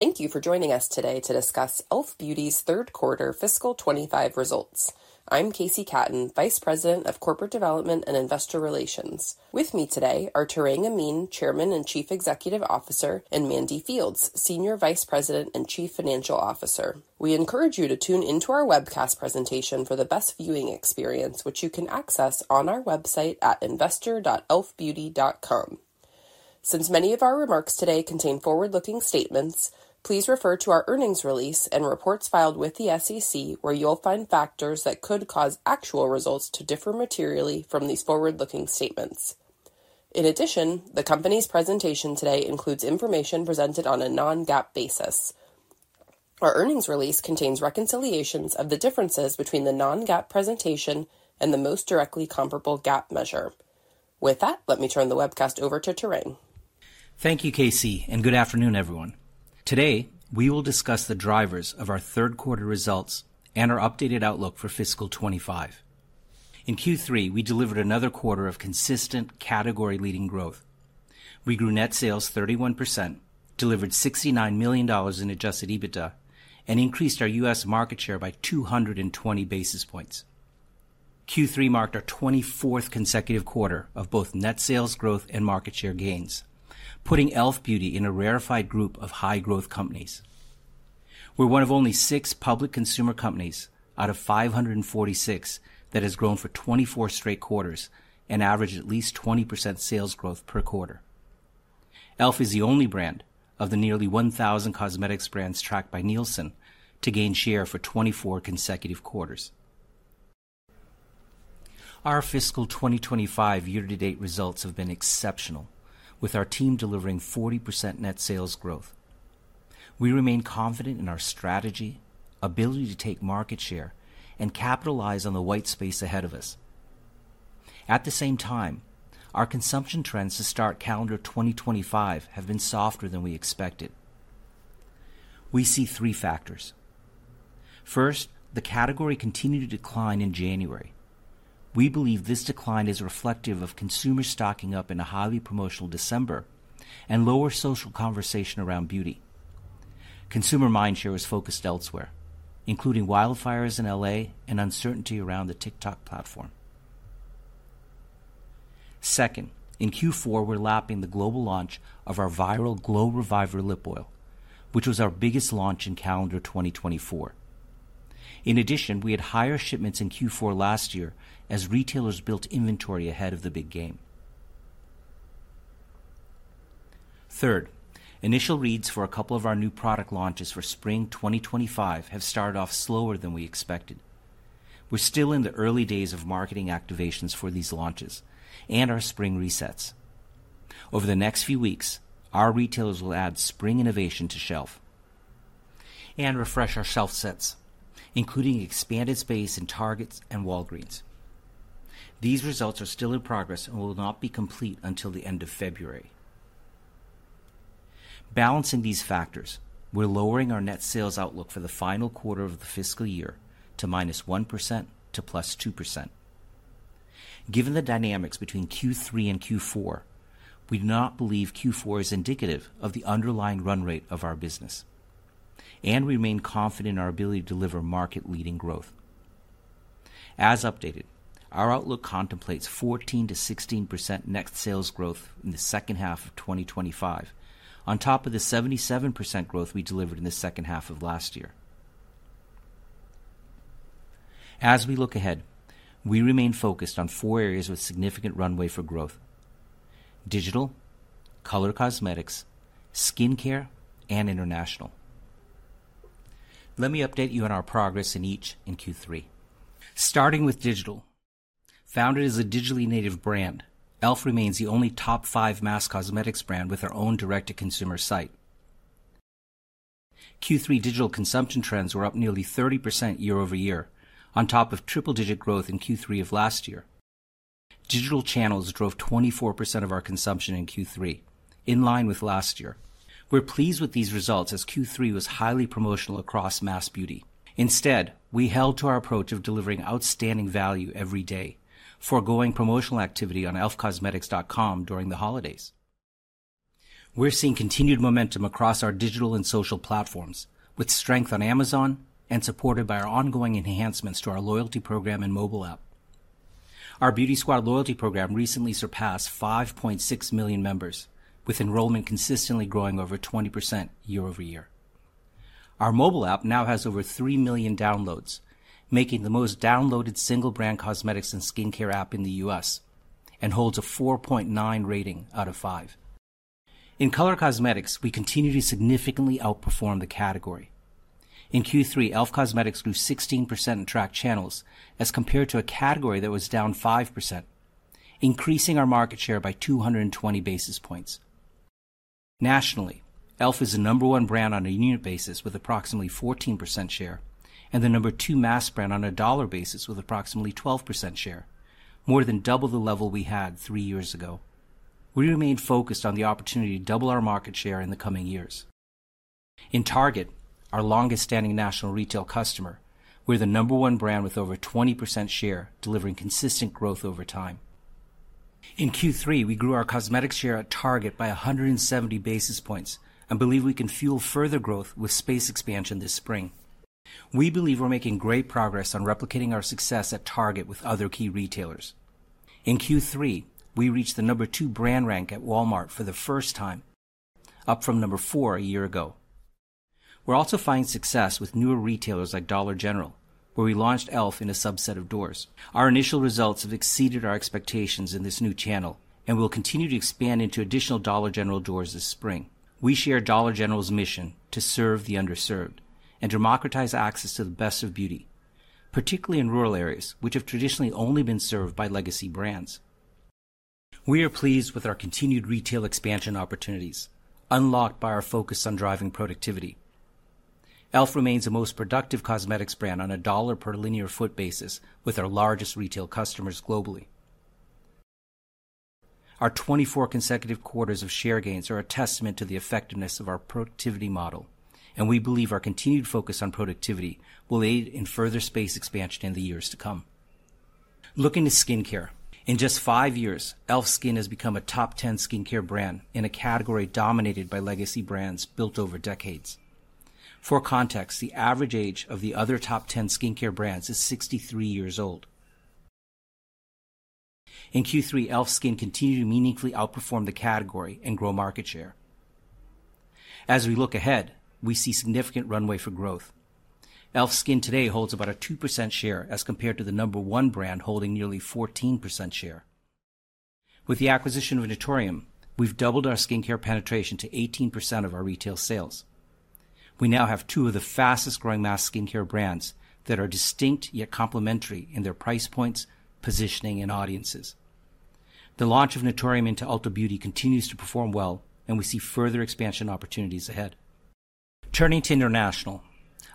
Thank you for joining us today to discuss e. L. F. Beauty's third quarter fiscal twenty five results. I'm Casey Catton, vice president of corporate development and investor relations. With me today are Tarang Amin, chairman and chief executive officer, and Mandy Fields, senior vice president and chief financial officer. We encourage you to tune into our webcast presentation for the best viewing experience, which you can access on our website site at investor.elfbeauty.com. Since many of our remarks today contain forward looking statements, please refer to our earnings release and reports filed with the SEC where you'll find factors that could cause actual results to differ materially from these forward looking statements. In addition, the company's presentation today includes information presented on a non GAAP basis. Our earnings release contains reconciliations of the differences between the non GAAP presentation and the most directly comparable GAAP measure. With that, let me turn the webcast over to Tarang. Thank you, KC, and good afternoon, everyone. Today, we will discuss the drivers of our third quarter results and our updated outlook for fiscal 'twenty five. In Q3, we delivered another quarter of consistent category leading growth. We grew net sales 31%, delivered $69,000,000 in adjusted EBITDA and increased our U. S. Market share by two twenty basis points. Q3 marked our twenty fourth consecutive quarter of both net sales growth and market share gains, putting e. L. F. Beauty in a rarefied group of high growth companies. We're one of only six public consumer companies out of five forty six that has grown for twenty four straight quarters and averaged at least 20% sales growth per quarter. E. L. F. Is the only brand of the nearly 1,000 cosmetics brands tracked by Nielsen to gain share for twenty four consecutive quarters. Our fiscal twenty twenty five year to date results have been exceptional with our team delivering 40% net sales growth. We remain confident in our strategy, ability to take market share, and capitalize on the white space ahead of us. At the same time, our consumption trends to start calendar twenty twenty five have been softer than we expected. We see three factors. First, the category continued to decline in January. We believe this decline is reflective of consumers stocking up in a highly promotional December and lower social conversation around beauty. Consumer mindshare is focused elsewhere, including wildfires in LA and uncertainty around the TikTok platform. Second, in Q4, we're lapping the global launch of our viral GLOW REVIVOR lip oil, which was our biggest launch in calendar twenty twenty four. In addition, we had higher shipments in Q4 last year as retailers built inventory ahead of the big game. Third, initial reads for a couple of our new product launches for spring twenty twenty five have started off slower than we expected. We're still in the early days of marketing activations for these launches and our spring resets. Over the next few weeks, our retailers will add spring innovation to shelf and refresh our shelf sets, including expanded space in Targets and Walgreens. These results are still in progress and will not be complete until the February. Balancing these factors, we're lowering our net sales outlook for the final quarter of the fiscal year to minus 1% to plus 2%. Given the dynamics between Q3 and Q4, we do not believe Q4 is indicative of the underlying run rate of our business, and we remain confident in our ability to deliver market leading growth. As updated, our outlook contemplates 14% to 16% net sales growth in the second half of twenty twenty five on top of the 77% growth we delivered in the second half of last year. As we look ahead, we remain focused on four areas with significant runway for growth, digital, color cosmetics, skin care, and international. Let me update you on our progress in each in q three. Starting with digital, Foundry is a digitally native brand. E. L. F. Remains the only top five mass cosmetics brand with our own direct to consumer site. Q3 digital consumption trends were up nearly 30% year over year on top of triple digit growth in Q3 of last year. Digital channels drove 24% of our consumption in Q3, in line with last year. We're pleased with these results as Q3 was highly promotional across mass beauty. Instead, we held to our approach of delivering outstanding value every day, foregoing promotional activity on elfcosmetics.com during the holidays. We're seeing continued momentum across our digital and social platforms with strength on Amazon and supported by our ongoing enhancements to our loyalty program and mobile app. Our beauty squad loyalty program recently surpassed 5,600,000 members with enrollment consistently growing over 20% year over year. Our mobile app now has over 3,000,000 downloads, making the most downloaded single brand cosmetics and skincare app in The US and holds a 4.9 rating out of five. In color cosmetics, we continue to significantly outperform the category. In Q3, e. L. F. Cosmetics grew 16% in tracked channels as compared to a category that was down 5%, increasing our market share by two twenty basis points. Nationally, e. L. F. Is the number one brand on a unit basis with approximately 14% share and the number two mass brand on a dollar basis with approximately 12% share, more than double the level we had three years ago. We remain focused on the opportunity to double our market share in the coming years. In Target, our longest standing national retail customer, we're the number one brand with over 20% share delivering consistent growth over time. In Q3, we grew our cosmetic share at Target by 170 basis points and believe we can fuel further growth with space expansion this spring. We believe we're making great progress on replicating our success at Target with other key retailers. In Q3, we reached the number two brand rank at Walmart for the first time, up from number four a year ago. We're also finding success with newer retailers like Dollar General, where we launched e. L. F. In a subset of doors. Our initial results have exceeded our expectations in this new channel, and we'll continue to expand into additional Dollar General doors this spring. We share Dollar General's mission to serve the underserved and democratize access to the best of beauty, particularly in rural areas, which have traditionally only been served by legacy brands. We are pleased with our continued retail expansion opportunities unlocked by our focus on driving productivity. E. L. F. Remains the most productive cosmetics brand on a dollar per linear foot basis with our largest retail customers globally. Our twenty four consecutive quarters of share gains are a testament to the effectiveness of our productivity model, and we believe our continued focus on productivity will aid in further space expansion in the years to come. Looking to skincare, in just five years, Elfskin has become a top 10 skincare brand in a category dominated by legacy brands built over decades. For context, the average age of the other top 10 skincare brands is 63 years old. In Q3, Elfskin continued to meaningfully outperform the category and grow market share. As we look ahead, we see significant runway for growth. Elfskin today holds about a 2% share as compared to the number one brand holding nearly 14% share. With the acquisition of Naturium, we've doubled our skin care penetration to 18% of our retail sales. We now have two of the fastest growing mass skin care brands that are distinct yet complementary in their price points, positioning and audiences. The launch of Naturium into Ulta Beauty continues to perform well and we see further expansion opportunities ahead. Turning to international.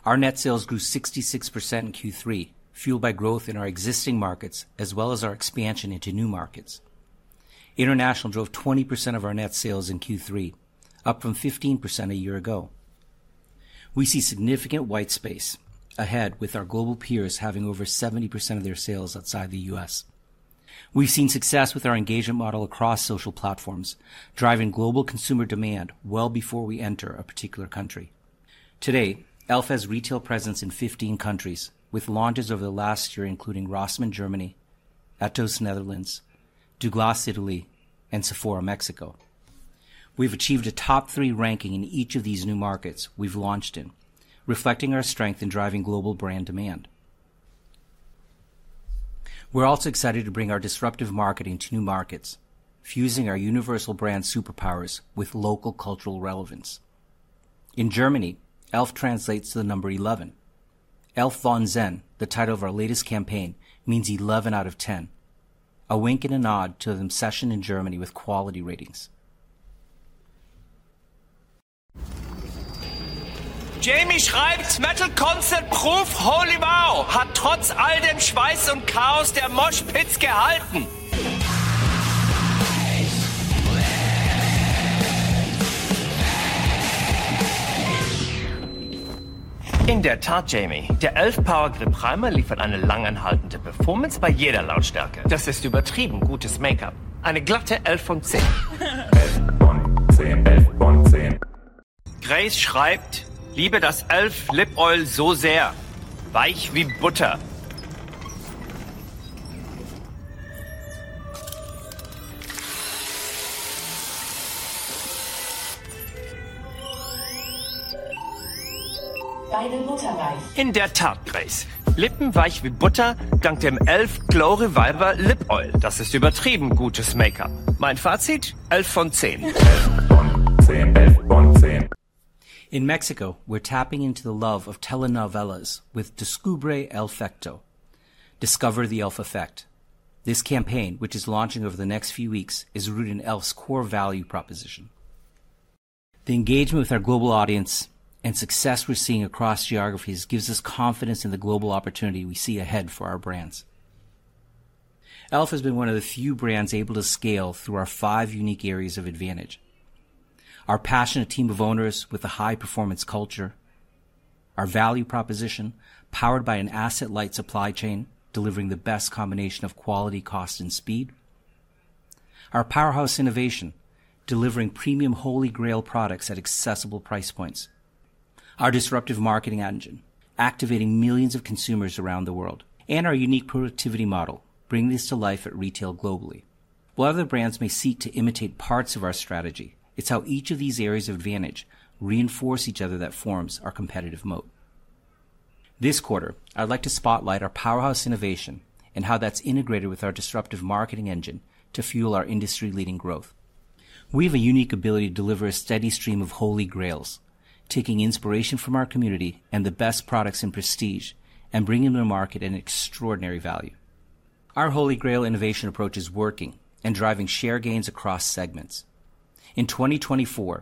Our net sales grew 66% in Q3 fueled by growth in our existing markets as well as our expansion into new markets. International drove 20% of our net sales in Q3, up from 15% a year ago. We see significant white space ahead with our global peers having over 70% of their sales outside The U. S. We've seen success with our engagement model across social platforms, driving global consumer demand well before we enter a particular country. Today, Elf has retail presence in 15 countries with launches over the last year including Rossmann, Germany, Etos, Netherlands, Douglass, Italy, and Sephora, Mexico. We've achieved a top three ranking in each of these new markets we've launched in, reflecting our strength in driving global brand demand. We're also excited to bring our disruptive marketing to new markets, fusing our universal brand superpowers with local cultural relevance. In Germany, Elf translates to the number 11. Elf von Zen, the title of our latest campaign, means 11 out of 10. A wink and a nod to an obsession in Germany with quality ratings. In Mexico, we're tapping into the love of telenovelas with Discover the Elf Effect. This campaign, which is launching over the next few weeks, is rooted in e. L. F. Core value proposition. The engagement with our global audience and success we're seeing across geographies gives us confidence in the global opportunity we see ahead for our brands. Elf has been one of the few brands able to scale through our five unique areas of advantage. Our passionate team of owners with a high performance culture, our value proposition powered by an asset light supply chain delivering the best combination of quality, cost, and speed our powerhouse innovation delivering premium holy grail products at accessible price points our disruptive marketing engine activating millions of consumers around the world, and our unique productivity model bring this to life at retail globally. While other brands may seek to imitate parts of our strategy, it's how each of these areas of advantage reinforce each other that forms our competitive moat. This quarter, I'd like to spotlight our powerhouse innovation and how that's integrated with our disruptive marketing engine to fuel our industry leading growth. We have a unique ability to deliver a steady stream of holy grails, taking inspiration from our community and the best products in prestige and bringing to market an extraordinary value. Our holy grail innovation approach is working and driving share gains across segments. In 2024, e.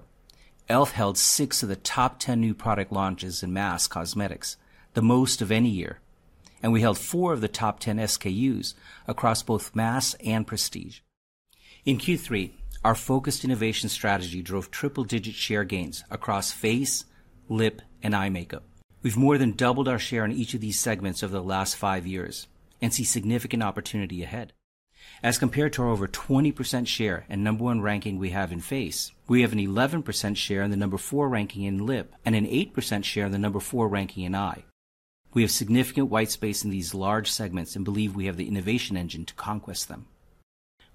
L. F. Held six of the top 10 new product launches in MAS cosmetics, the most of any year, and we held four of the top 10 SKUs across both MAS and Prestige. In Q3, our focused innovation strategy drove triple digit share gains across face, lip, and eye makeup. We've more than doubled our share in each of these segments over the last five years and see significant opportunity ahead. As compared to our over 20% share and number one ranking we have in face, we have an 11% share and the number four ranking in Lip and an 8% share in the number four ranking in Eye. We have significant white space in these large segments and believe we have the innovation engine to conquest them.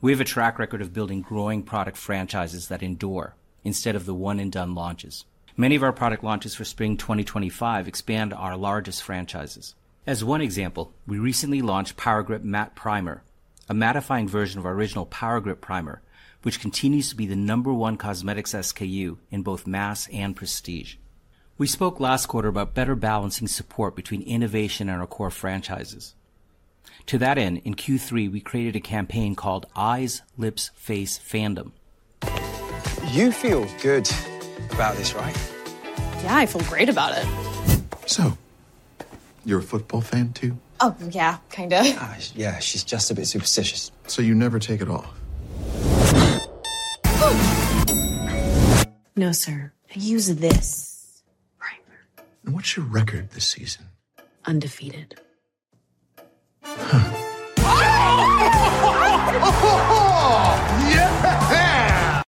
We have a track record of building growing product franchises that endure instead of the one and done launches. Many of our product launches for spring twenty twenty five expand our largest franchises. As one example, we recently launched Power Grip Matte Primer, a mattifying version of our original Power Grip Primer, which continues to be the number one cosmetics SKU in both MAS and prestige. We spoke last quarter about better balancing support between innovation and our core franchises. To that end, in q three, we created a campaign called Eyes Lips Face Fandom. You feel good about this. Right? Yeah. I feel great about it. So you're a football fan too? Oh, yeah. Kinda. Yeah. She's just a bit superstitious. So you never take it off. No, sir. I use this. And what's your record this season? Undefeated. Yeah.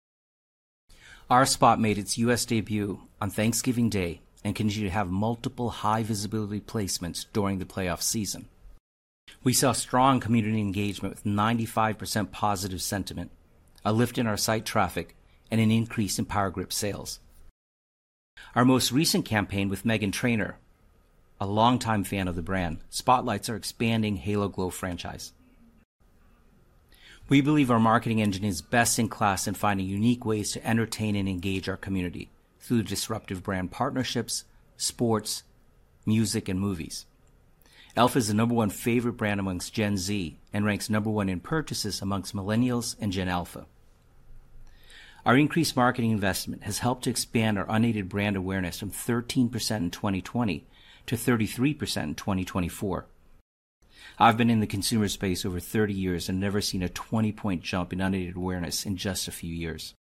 Our spot made its US debut on Thanksgiving Day and continue to have multiple high visibility placements during the playoff season. We saw strong community engagement with 95% positive sentiment, a lift in our site traffic, and an increase in Power Grip sales. Our most recent campaign with Meghan Trainor, a longtime fan of the brand, spotlights our expanding HaloGlow franchise. We believe our marketing engine is best in class in finding unique ways to entertain and engage our community through disruptive brand partnerships, sports, music, and movies. Alpha is the number one favorite brand amongst Gen Z and ranks number one in purchases amongst millennials and Gen Alpha. Our increased marketing investment has helped to expand our unaided brand awareness from 13% in 2020 to 33% in 2024. I've been in the consumer space over thirty years and never seen a 20 jump in unaided awareness in just a few years.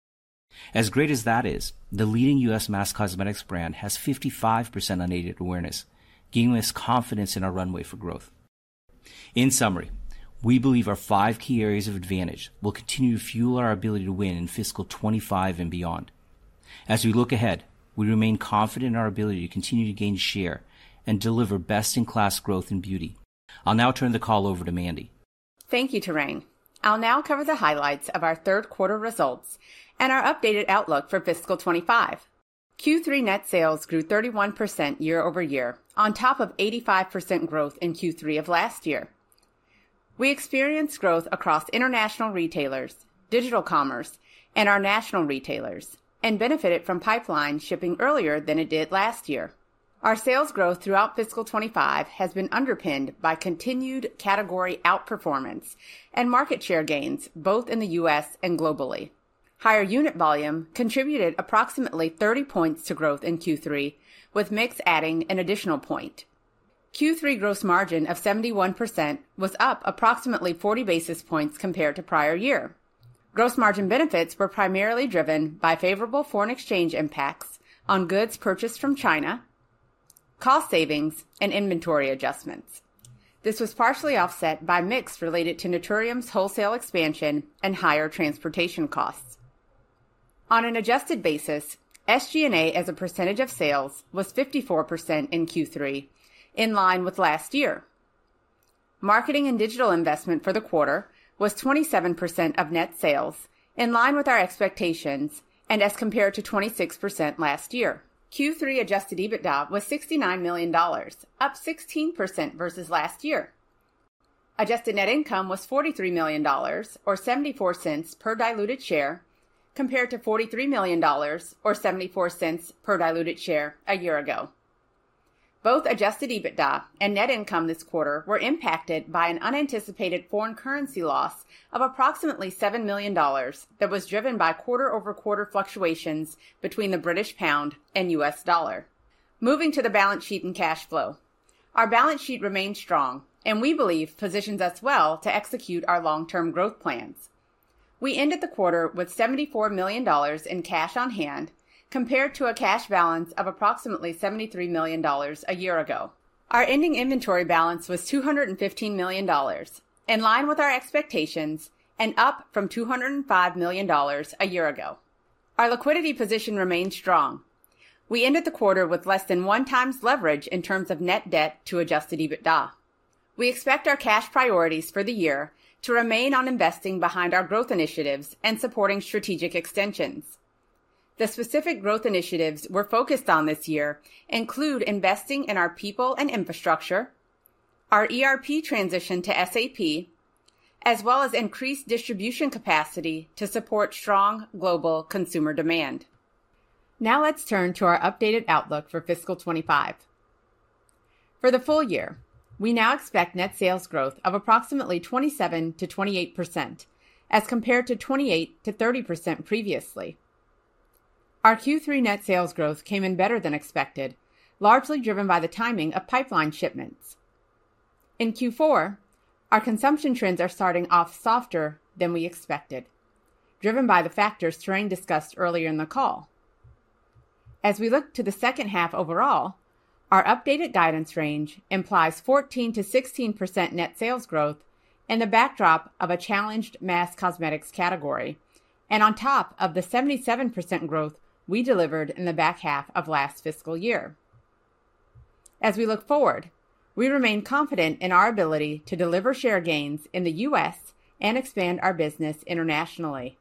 As great as that is, the leading U. S. Mass cosmetics brand has 55% unaided awareness, gaining us confidence in our runway for growth. In summary, we believe our five key areas of advantage will continue to fuel our ability to win in fiscal 'twenty five and beyond. As we look ahead, we remain confident in our ability to continue to gain share and deliver best in class growth in beauty. I'll now turn the call over to Mandy. Thank you, Tarang. I'll now cover the highlights of our third quarter results and our updated outlook for fiscal 'twenty five. Q3 net sales grew 31% year over year on top of 85% growth in Q3 of last year. We experienced growth across international retailers, digital commerce and our national retailers and benefited from pipeline shipping earlier than it did last year. Our sales growth throughout fiscal twenty twenty five has been underpinned by continued category outperformance and market share gains, both in The U. S. And globally. Higher unit volume contributed approximately 30 points to growth in Q3 with mix adding an additional point. Q3 gross margin of 71% was up approximately 40 basis points compared to prior year. Gross margin benefits were primarily driven by favorable foreign exchange impacts on goods purchased from China, cost savings and inventory adjustments. This was partially offset by mix related to Naturium's wholesale expansion and higher transportation costs. On an adjusted basis, SG and A as a percentage of sales was 54% in Q3, in line with last year. Marketing and digital investment for the quarter was 27% of net sales, in line with our expectations and as compared to 26% last year. Q3 adjusted EBITDA was $69,000,000 up 16% versus last year. Adjusted net income was $43,000,000 or $0.74 per diluted share compared to $43,000,000 or $0.74 per diluted share a year ago. Both adjusted EBITDA and net income this quarter were impacted by an unanticipated foreign currency loss of approximately $7,000,000 that was driven by quarter over quarter fluctuations between the British pound and U. S. Dollar. Moving to the balance sheet and cash flow. Our balance sheet remains strong and we believe positions us well to execute our long term growth plans. We ended the quarter with $74,000,000 in cash on hand compared to a cash balance of approximately $73,000,000 a year ago. Our ending inventory balance was $215,000,000 in line with our expectations and up from $2.00 $5,000,000 a year ago. Our liquidity position remains strong. We ended the quarter with less than one times leverage in terms of net debt to adjusted EBITDA. We expect our cash priorities for the year to remain on investing behind our growth initiatives and supporting strategic extensions. The specific growth initiatives we're focused on this year include investing in our people and infrastructure, our ERP transition to SAP, as well as increased distribution capacity to support strong global consumer demand. Now let's turn to our updated outlook for fiscal twenty twenty five. For the full year, we now expect net sales growth of approximately 27% to 28% as compared to 28% to 30% previously. Our Q3 net sales growth came in better than expected, largely driven by the timing of pipeline shipments. In Q4, our consumption trends are starting off softer than we expected, driven by the factors Terrain discussed earlier in the call. As we look to the second half overall, our updated guidance range implies 14% to 16% net sales growth in the backdrop of a challenged mass cosmetics category and on top of the 77% growth we delivered in the back half of last fiscal year. As we look forward, we remain confident in our ability to deliver share gains in The U. S. And expand our business internationally.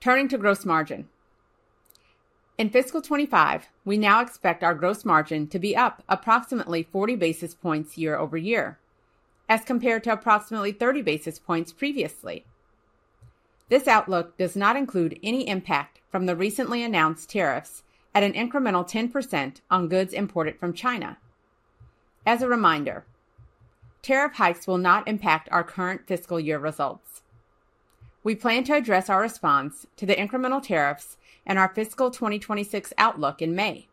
Turning to gross margin. In fiscal twenty twenty five, we now expect our gross margin to be up approximately 40 basis points year over year as compared to approximately 30 basis points previously. This outlook does not include any impact from the recently announced tariffs at an incremental 10% on goods imported from China. As a reminder, tariff hikes will not impact our current fiscal year results. We plan to address our response to the incremental tariffs and our fiscal twenty twenty six outlook in May.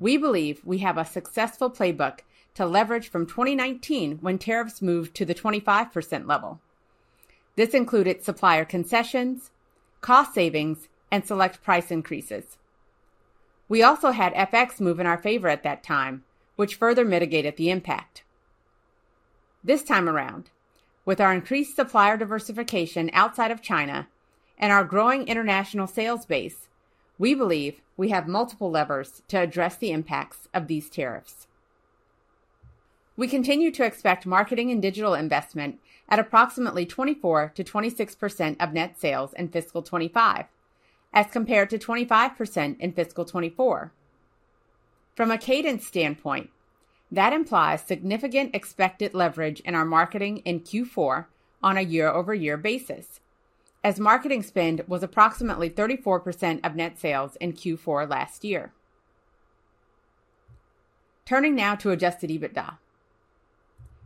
We believe we have a successful playbook to leverage from 2019 when tariffs move to the 25% level. This included supplier concessions, cost savings and select price increases. We also had FX move in our favor at that time, which further mitigated the impact. This time around, with our increased supplier diversification outside of China and our growing international sales base, we believe we have multiple levers to address the impacts of these tariffs. We continue to expect marketing and digital investment at approximately 24% to 266% of net sales in fiscal twenty five as compared to 25% in fiscal twenty four. From a cadence standpoint, that implies significant expected leverage in our marketing in Q4 on a year over year basis as marketing spend was approximately 34% of net sales in Q4 last year. Turning now to adjusted EBITDA.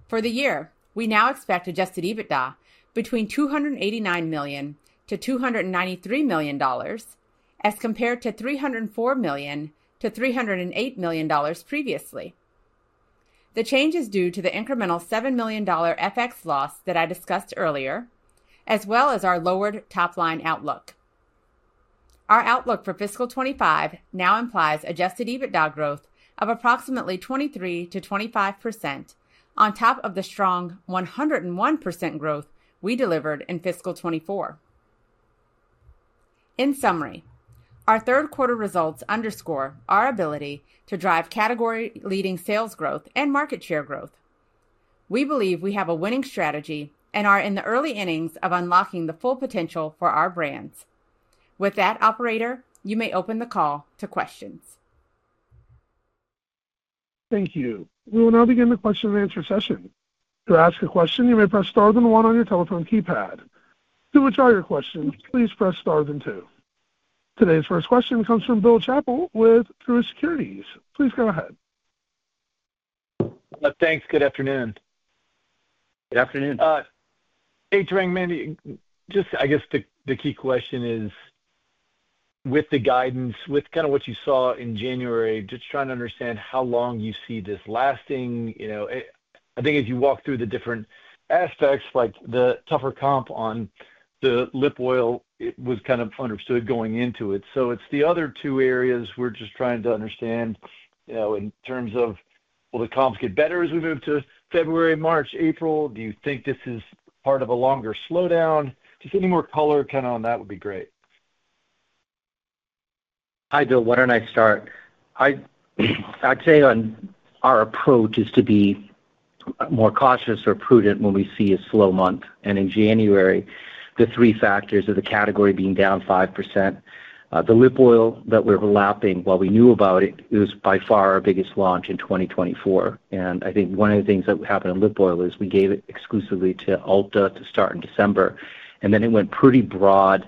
For the year, we now expect adjusted EBITDA between $289,000,000 to $293,000,000 as compared to $3.00 $4,000,000 to $3.00 $8,000,000 previously. The change is due to the incremental $7,000,000 FX loss that I discussed earlier as well as our lowered top line outlook. Our outlook for fiscal twenty twenty five now implies adjusted EBITDA growth of approximately 23% to 25% on top of the strong 101% growth we delivered in fiscal twenty twenty four. In summary, our third quarter results underscore our ability to drive category leading sales growth and market share growth. We believe we have a winning strategy and are in the early innings of unlocking the full potential for our brands. With that operator, you may open the call to questions. Thank you. We will now begin the question and answer session. Today's first question comes from Bill Chappell with Truett Securities. Please go ahead. Thanks. Good afternoon. Good afternoon. Hey, Durang. Mindy, just I guess the key question is with the guidance with kind of what you saw in January, just trying to how long you see this lasting. I think as you walk through the different aspects like the tougher comp on the lip oil, it was kind of understood going into it. So it's the other two areas we're just trying to understand in terms of will the comps get better as we move to February, March, April? Do you think this is part of a longer slowdown? Just any more color kind of on that would be great. Hi, Bill. Why don't I start? I'd say on our approach is to be more cautious or prudent when we see a slow month. And in January, the three factors of the category being down 5%, The lip oil that we're lapping, while we knew about it, it was by far our biggest launch in 2024. And I think one of the things that happened in lip oil is we gave it exclusively to Ulta to start in December and then it went pretty broad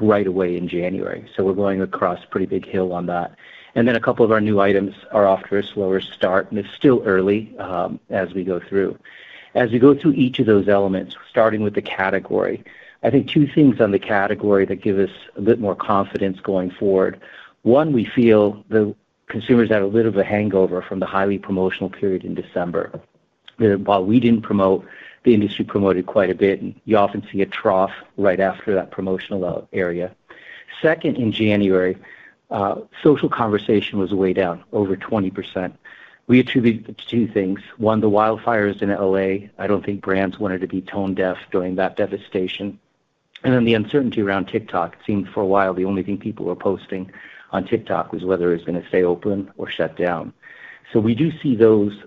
right away in January. So we're going across pretty big hill on that. And then a couple of our new items are off to a slower start and it's still early as we go through. As we go through each of those elements, starting with the category, I think two things on the category that give us a bit more confidence going forward. One, we feel the consumers had a little bit of a hangover from the highly promotional period in December. While we didn't promote, the industry promoted quite a bit. You often see a trough right after that promotional area. Second, in January, social conversation was way down, over 20%. We attribute two things. One, the wildfires in L. A. I don't think brands wanted to be tone deaf during that devastation. And then the uncertainty around TikTok, it seemed for a while the only thing people were posting on TikTok was whether it's going to stay open or shut down. So we do see those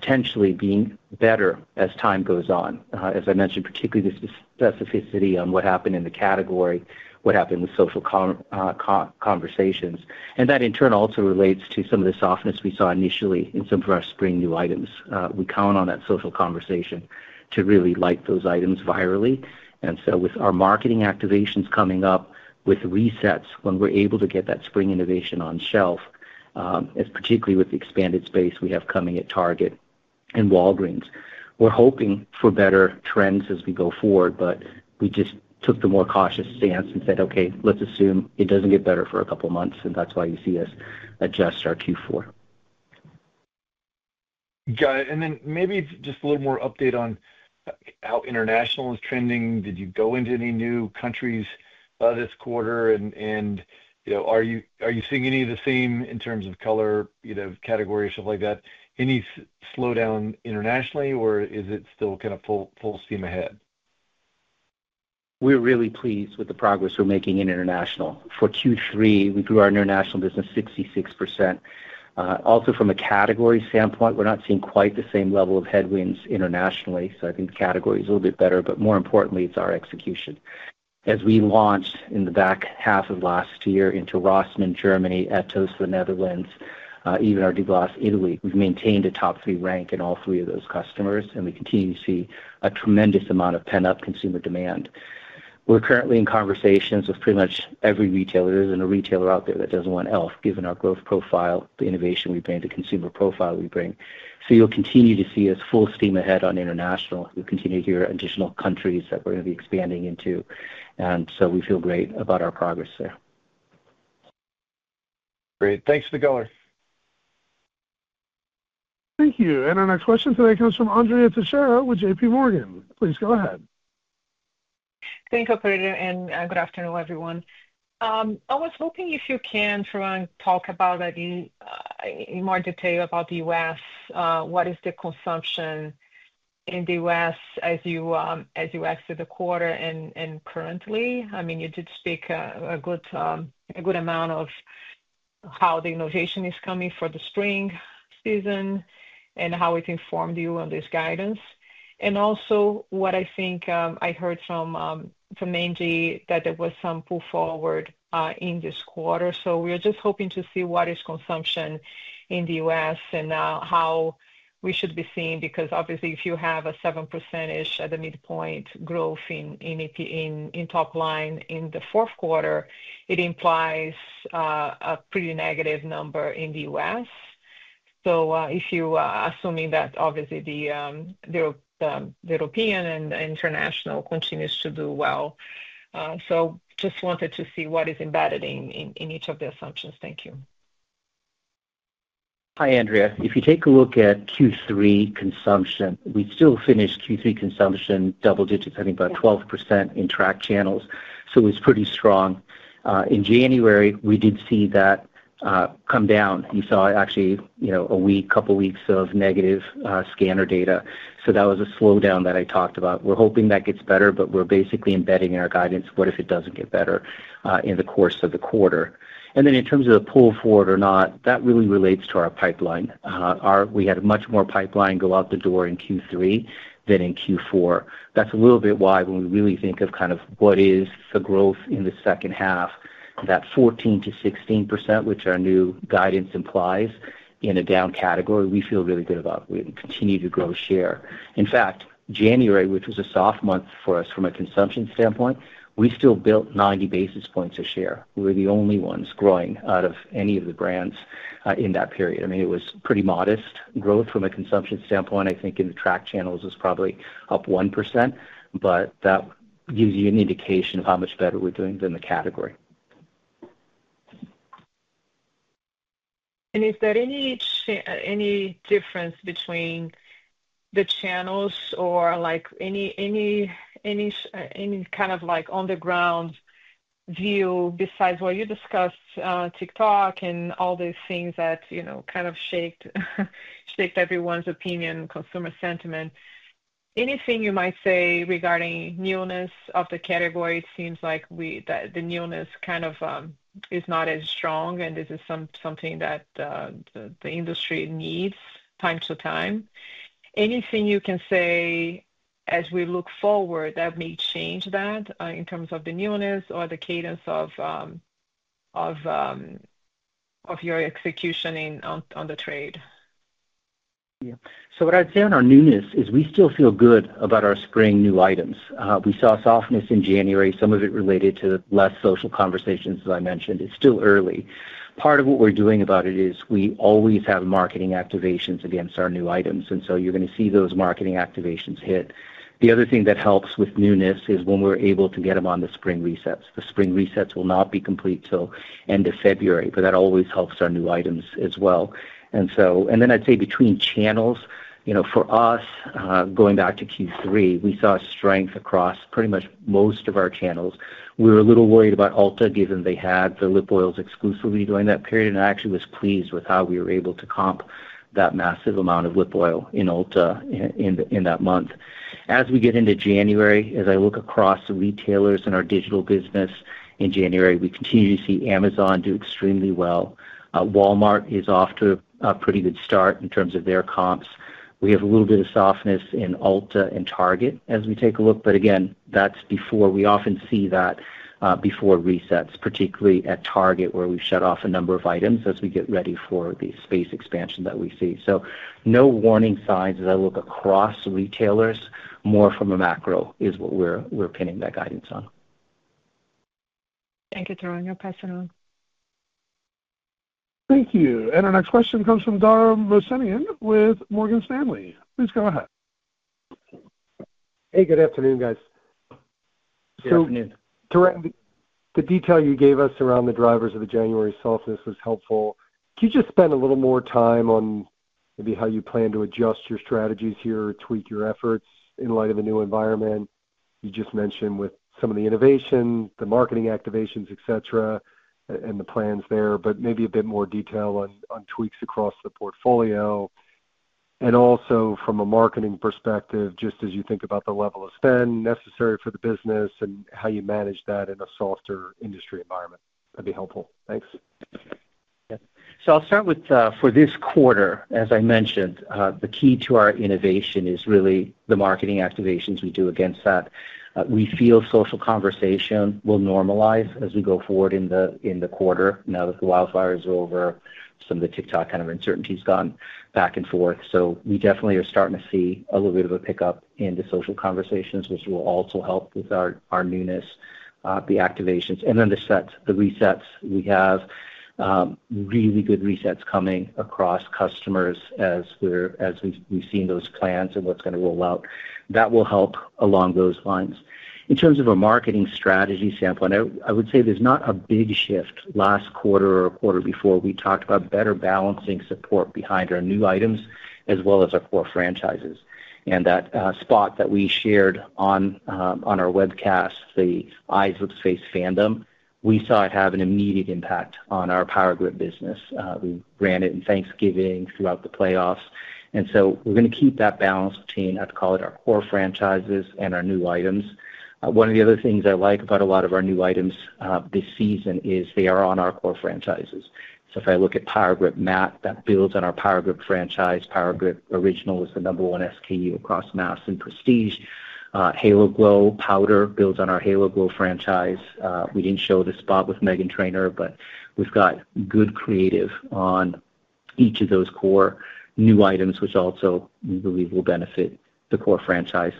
potentially being better as time goes on. As I mentioned, particularly the specificity on what happened in the category, what happened with social conversations. And that in turn also relates to some of the softness we saw initially in some of our spring new items. We count on that social conversation to really like those items virally. And so with our marketing activations coming up with resets when we're able to get that spring innovation on shelf, particularly with the expanded space we have coming at Target and Walgreens. We're hoping for better trends as we go forward, but we just took the more cautious stance and said, okay, let's assume it doesn't get better for a couple of months and that's why you see us adjust our Q4. Got it. And then maybe just a little more update on how international is trending? Did you go into any new countries this quarter? And are you seeing any of the same in terms of color, category, stuff like that? Any slowdown internationally? Or is it still kind of full steam ahead? We're really pleased with the progress we're making in international. For Q3, we grew our international business 66%. Also from a category standpoint, we're not seeing quite the same level of headwinds internationally. So I think category is a little bit better, but more importantly, it's our execution. As we launched in the back half of last year into Rossen in Germany, Etos in The Netherlands, even our De Glace Italy, we've maintained a top three rank in all three of those customers, and we continue to see a tremendous amount of pent up consumer demand. We're currently in conversations with pretty much every retailer. There isn't a retailer out there that doesn't want Elf given our growth profile, the innovation we bring, the consumer profile we bring. So you'll continue to see us full steam ahead on international. We'll continue to hear additional countries that we're going to be expanding into. And so we feel great about our progress there. Great. Thanks for the color. Thank you. And our next question today comes from Andrea Teixeira with JPMorgan. Please go ahead. Thank you, operator, and good afternoon, everyone. I was hoping if you can, Florent, talk about in more detail about The U. S. What is the consumption in The U. S. As you exit the quarter and currently? I mean, you did speak a good amount of how the innovation is coming for the spring season and how it informed you on this guidance. And also what I think I heard from Mangi that there was some pull forward in this quarter. So we are just hoping to see what is consumption in The U. S. And how we should be seeing because obviously if you have a 7% -ish at the midpoint growth in top line in the fourth quarter, it implies a pretty negative number in The U. S. So if you are assuming that obviously the European and international continues to do well. So just wanted to see what is embedded in each of the assumptions. Thank you. Hi, Andrea. If you take a look at Q3 consumption, we still finished Q3 consumption double digits, I think, by 12% in tracked channels. So, it's pretty strong. In January, we did see that come down. You saw actually a week, couple weeks of negative scanner data. So that was a slowdown that I talked about. We're hoping that gets better, but we're basically embedding in our guidance what if it doesn't get better in the course of the quarter. And then in terms of the pull forward or not, that really relates to our pipeline. We had much more pipeline go out the door in Q3 than in Q4. That's a little bit why when we really think of kind of what is the growth in the second half, that 14% to 16%, which our new guidance implies in a down category, we feel really good about. We continue to grow share. In fact, January, which was a soft month for us from a consumption standpoint, we still built 90 basis points a share. We were the only ones growing out of any of the brands in that period. I mean, it was pretty modest growth from a consumption standpoint. I think in the tracked channels is probably up 1%, but that gives you an indication of how much better we're doing than the category. And is there any difference between the channels or like any kind of like on the ground view besides what you discussed, TikTok and all these things that kind of shaped everyone's opinion, consumer sentiment. Anything you might say regarding newness of the category? It seems like the newness kind of is not as strong and this is something that the industry needs time to time. Anything you can say as we look forward that may change that in terms of the newness or the cadence of your execution on the trade? Yes. So what I'd say on our newness is we still feel good about our spring new items. We saw softness in January, some of it related to less social conversations as I mentioned. It's still early. Part of what we're doing about it is we always have marketing activations against our new items. And so you're going to see those marketing activations hit. The other thing that helps with newness is when we're able to get them on the spring resets. The spring resets will not be complete until February, but that always helps our new items as well. And so and then I'd say between channels, for us, going back to Q3, we saw strength across pretty much most of our channels. We were a little worried about Ulta given they had the lip oils exclusively during that period and I actually was pleased with how we were able to comp that massive amount of lip oil in Ulta in that month. As we get into January, as I look across the retailers and our digital business in January, we continue to see Amazon do extremely well. Walmart is off to a pretty good start in terms of their comps. We have a little bit of softness in Ulta and Target as we take a look. But again, that's before we often see that before resets, particularly at Target where we shut off a number of items as we get ready for the space expansion that we see. So no warning signs as I look across retailers, more from a macro is what we're pinning that guidance on. Thank you, Tarun. Your passing on. Thank you. And our next question comes from Dara Mohsenian with Morgan Stanley. Please go ahead. Hey, good afternoon, guys. Good afternoon. Tarun, the detail you gave us around the drivers of the January softness was helpful. Can you just spend a little more time on maybe how you plan to adjust your strategies here, tweak your efforts in light of the new environment? You just mentioned with some of the innovation, the marketing activations, etcetera, and the plans there, but maybe a bit more detail on tweaks across the portfolio. And also from a marketing perspective, just as you think about the level of spend necessary for the business and how you manage that in a softer industry environment? That would be helpful. Thanks. Yes. So I'll start with for this quarter, as I mentioned, the key to our innovation is really the marketing activations we do against that. We feel social conversation will normalize as we go forward in the quarter now that the wildfire is over, some of the tick tock kind of uncertainty has gone back and forth. So, we definitely are starting to see a little bit of a pickup in the social conversations, which will also help with our newness, the activations. And then the sets, the resets we have, really good resets coming across customers as we're as we've seen those plans and what's going to roll out. That will help along those lines. In terms of our marketing strategy standpoint, I would say there's not a big shift last quarter or a quarter before. We talked about better balancing support behind our new items as well as our core franchises. And that spot that we shared on our webcast, the Eyes of the Face fandom, we saw it have an immediate impact on our Power Grip business. We ran it in Thanksgiving throughout the playoffs. And so, we're going to keep that balance between, I'd call it, our core franchises and our new items. One of the other things I like about a lot of our new items this season is they are on our core franchises. So if I look at Power Grip matte, that builds on our Power Grip franchise. Power Grip original is the number one SKU across MAS and Prestige. HaloGlow powder builds on our HaloGlow franchise. We didn't show the spot with Meghan Trainor, but we've got good creative on each of those core new items, which also we believe will benefit the core franchise.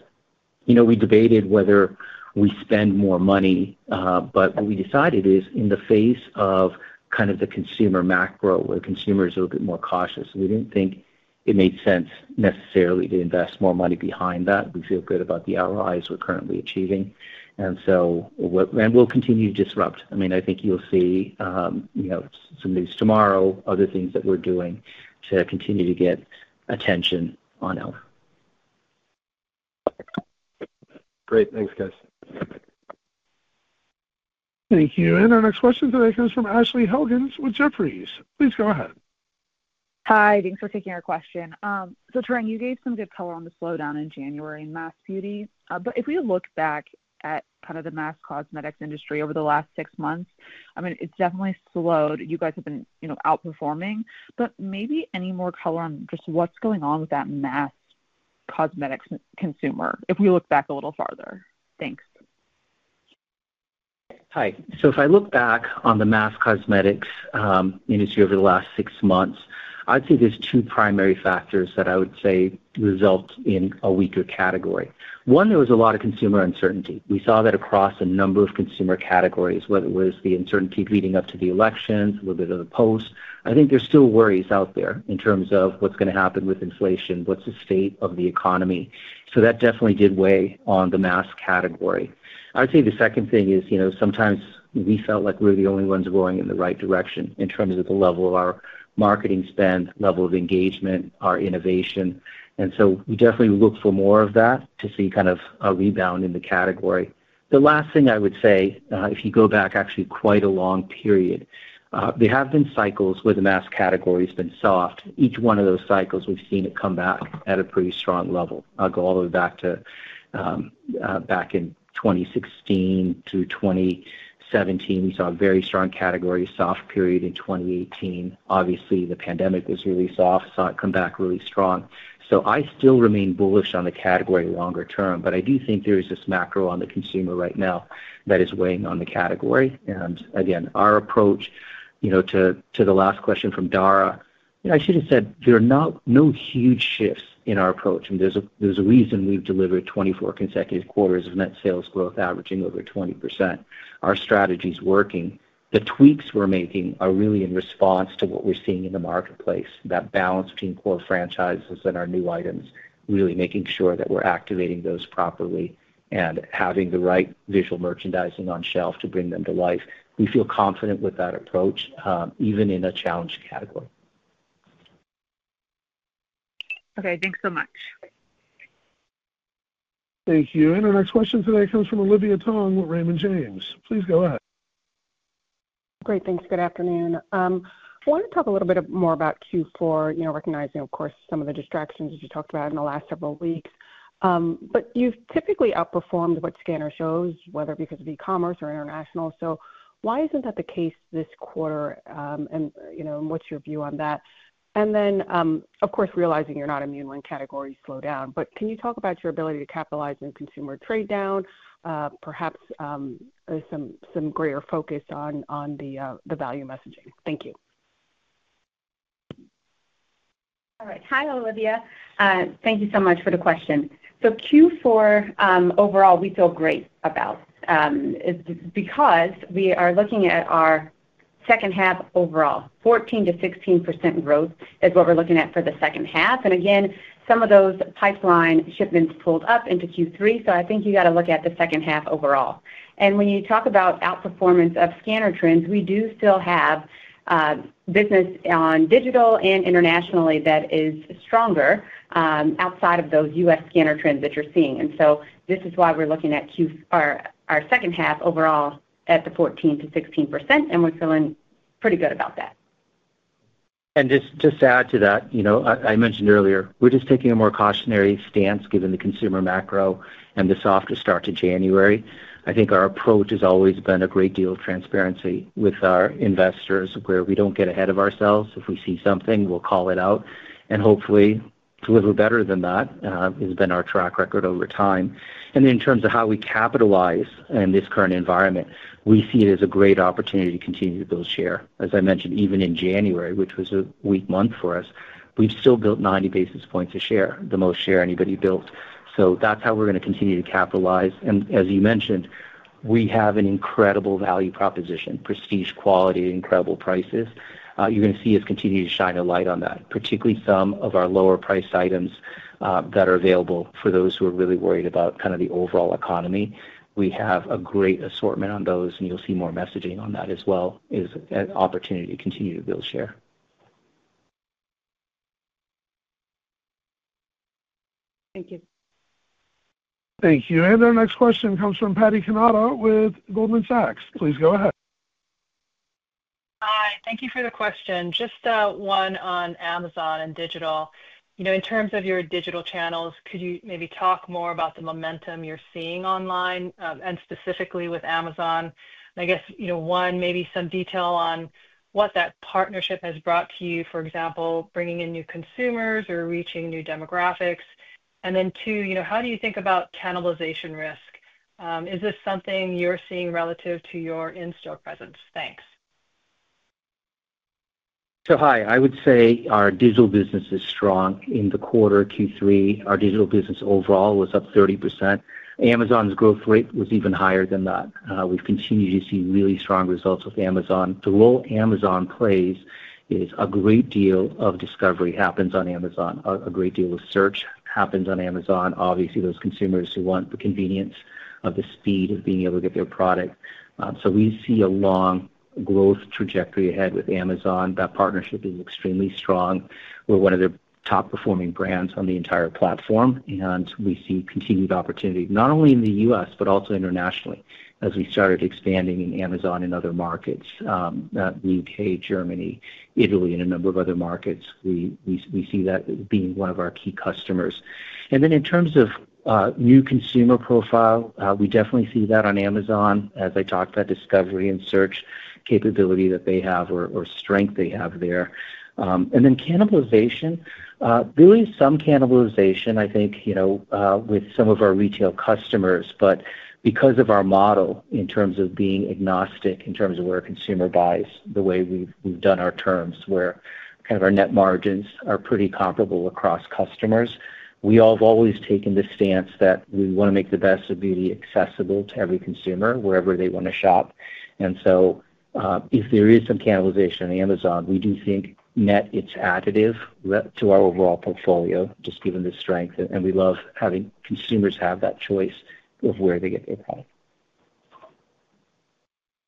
We debated whether we spend more money, but what we decided is in the face of kind of the consumer macro where consumers are a little bit more cautious, we didn't think it made sense necessarily to invest more money behind that. We feel good about the ROIs we're currently achieving. And so and we'll continue to disrupt. I mean, I think you'll see some news tomorrow, other things that we're doing to continue to get attention on health. Great. Thanks guys. Thank you. And our next question today comes from Ashley Helgans with Jefferies. Please go ahead. Hi. Thanks for taking our question. So, Tarang, you gave some good color on the slowdown in January in mass beauty. But if we look back at kind of the mass cosmetics industry over the last six months, I mean, it's definitely slowed. You guys have been, you know, outperforming. But maybe any more color on just what's going on with that mass cosmetics consumer if we look back a little farther? Thanks. Hi. So if I look back on the mass cosmetics industry over the last six months, I'd say there's two primary factors that I would say result in a weaker category. One, there was a lot of consumer uncertainty. We saw that across a number of consumer categories, whether it was the uncertainty leading up to the elections, whether it was the post. I think there's still worries out there in terms of what's going to happen with inflation, what's the state of the economy. So that definitely did weigh on the mass category. I'd say the second thing is sometimes we felt like we're the only ones going in the right direction in terms of the level of our marketing spend, level of engagement, our innovation. And so we definitely look for more of that to see kind of a rebound in the category. The last thing I would say, if you go back actually quite a long period, there have been cycles where the mass category has been soft. Each one of those cycles, we've seen it come back at a pretty strong level. I'll go all the way back to back in 2016 through 2017. We saw a very strong category soft period in 2018. Obviously, the pandemic was really soft, saw it come back really strong. So I still remain bullish on the category longer term, but I do think there is this macro on the consumer right now that is weighing on the category. And again, our approach to the last question from Dara, I should have said there are no huge shifts in our approach. There's a reason we've delivered twenty four consecutive quarters of net sales growth averaging over 20%. Our strategy is working. The tweaks we're making are really in response to what we're seeing in the marketplace, that balance between core franchises and our new items, really making sure that we're activating those properly and having the right visual merchandising on shelf to bring them to life. We feel confident with that approach, even in a challenged category. Okay. Thanks so much. Thank you. And our next question today comes from Olivia Tong with Raymond James. Please go ahead. Great. Thanks. Good afternoon. I want to talk a little bit more about Q4 recognizing, of course, some of the distractions that you talked about in the last several weeks. But you've typically outperformed what scanner shows whether because of e commerce or international. So why isn't that the case this quarter? And what's your view on that? And then, of course, realizing you're not immune when category slow down, but can you talk about your ability to capitalize in consumer trade down, perhaps some greater focus on the value messaging? Thank you. All right. Hi, Olivia. Thank you so much for the question. So Q4, overall, we feel great about, because we are looking at our second half overall, 14 to 16% growth is what we're looking at for the second half. And again, some of those pipeline shipments pulled up into Q3, so I think you got to look at the second half overall. And when you talk about outperformance of scanner trends, we do still have business on digital and internationally that is stronger outside of those U. S. Scanner trends that you're seeing. And so this is why we're looking at our second half overall at the 14% to 16%, and we're feeling pretty good about that. And just to add to that, I mentioned earlier, we're just taking a more cautionary stance given the consumer macro and the softer start to January. I think our approach has always been a great deal of transparency with our investors where we don't get ahead of ourselves. If we see something, we'll call it out. And hopefully, it's a little better than that, has been our track record over time. And in terms of how we capitalize in this current environment, we see it as a great opportunity to continue to build share. As I mentioned, even in January, which was a weak month for us, we've still built 90 basis points a share, the most share anybody built. So that's how we're going to continue to capitalize. And as you mentioned, we have an incredible value proposition, prestige quality, incredible prices. You're going to see us continue to shine a light on that, particularly some of our lower priced items that are available for those who are really worried about kind of the overall economy. We have a great assortment on those and you'll see more messaging on that as well as an opportunity to continue to build share. Thank you. Thank you. And our next question comes from Patty Camaro with Goldman Sachs. Please go ahead. Hi. Thank you for the question. Just one on Amazon and digital. In terms of your digital channels, could you maybe talk more about the momentum you're seeing online and specifically with Amazon? I guess, one, maybe some detail on what that partnership has brought to you, for example, bringing in new consumers or reaching new demographics? And then two, how do you think about cannibalization risk? Is this something you're seeing relative to your in store presence? Thanks. So, hi. I would say our digital business is strong in the quarter Q3. Our digital business overall was up 30%. Amazon's growth rate was even higher than that. We've continued to see really strong results with Amazon. The low Amazon plays is a great deal of discovery happens on Amazon. A great deal of search happens on Amazon. Obviously, those consumers who want the convenience of the speed of being able to get their product. So, we see a long growth trajectory ahead with Amazon. That partnership is extremely strong. We're one of the top performing brands on the entire platform and we see continued opportunity not only in The U. S, but also internationally as we started expanding in Amazon and other markets, The UK, Germany, Italy and a number of other markets. We see that being one of our key customers. And then in terms of new consumer profile, we definitely see that on Amazon. As I talked about discovery and search capability that they have or strength they have there. And then cannibalization, really some cannibalization, I think, with some of our retail customers, but because of our model in terms of being agnostic in terms of where a consumer buys the way we've done our terms where kind of our net margins are pretty comparable across customers. We have always taken the stance that we want to make the best of beauty accessible to every consumer wherever they want to shop. And so, if there is some cannibalization in Amazon, we do think net it's additive to our overall portfolio just given the strength and we love having consumers have that choice of where they get their product.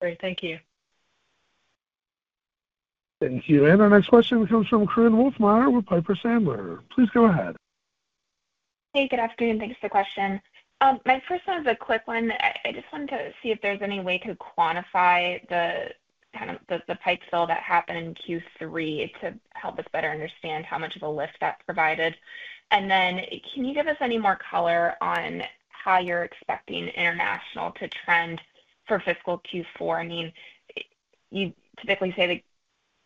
Great. Thank you. Thank you. And our next question comes from Corrine Wolfmeyer with Piper Sandler. Please go ahead. Hey, good afternoon. Thanks for the question. My first one is a quick one. I just wanted to see if there's any way to quantify the kind of the pipe fill that happened in Q3 to help us better understand how much of a lift that provided. And then can you give us any more color on how you're expecting international to trend for fiscal Q4? I mean, you typically say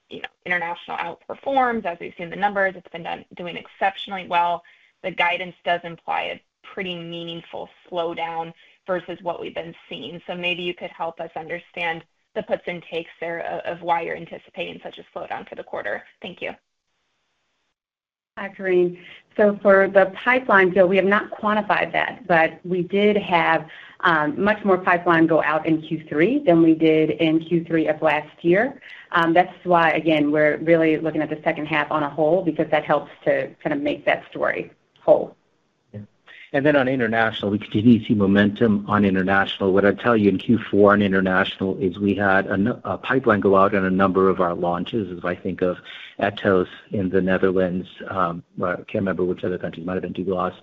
that international outperforms as we've seen the numbers, it's been doing exceptionally well. The guidance does imply a pretty meaningful slowdown versus what we've been seeing. So maybe you could help us understand the puts and takes there of why you're anticipating such a slowdown for the quarter? Thank you. Hi, Corine. So for the pipeline, so we have not quantified that, but we did have much more pipeline go out in Q3 than we did in Q3 of last year. That's why, again, we're really looking at the second half on a whole because that helps to kind of make that story whole. And then on international, we continue to see momentum on international. What I'd tell you in Q4 in international is we had a pipeline go out on a number of our launches as I think of Aetos in The Netherlands. I can't remember which other country might have been Doulas,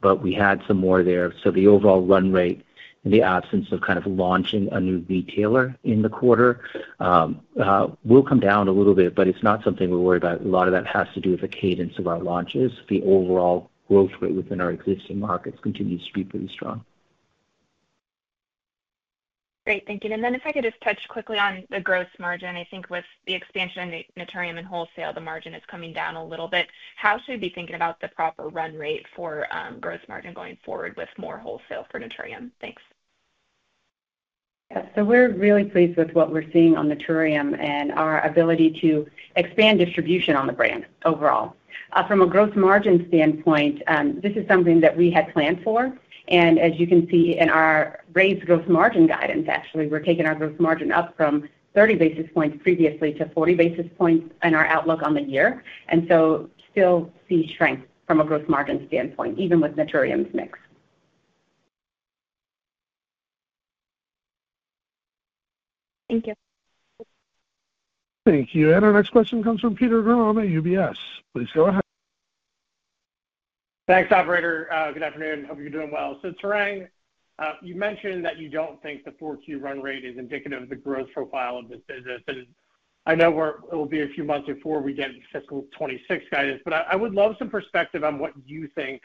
but we had some more there. So the overall run rate in the absence of kind of launching a new retailer in the quarter will come down a little bit, but it's not something we worry about. A lot of that has to do with the cadence of our launches. The overall growth rate within our existing markets continues to be pretty strong. Great. Thank you. And then if I could just touch quickly on the gross margin. I think with the expansion in Nutriem and wholesale, the margin is coming down a little bit. How should we be thinking about the proper run rate for gross margin going forward with more wholesale for Naturium? Thanks. So we're really pleased with what we're seeing on Naturium and our ability to expand distribution on the brand overall. From a gross margin standpoint, this is something that we had planned for. And as you can see in our raised gross margin guidance, actually, we're taking our gross margin up from 30 basis points previously to 40 basis points in our outlook on the year. And so still see strength from a gross margin standpoint even with Naturium's mix. Thank you. Thank you. And our next question comes from Peter Gramm at UBS. Please go ahead. Thanks, operator. Good afternoon. Hope you're doing well. So Tarang, you mentioned that you don't think the 4Q run rate is indicative of the growth profile of this business. And I know it will be a few months before we get into fiscal twenty twenty six guidance. But I would love some perspective on what you think